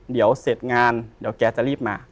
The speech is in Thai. เดี๋ยวเสร็จงานเดี๋ยวแกจะรีบมา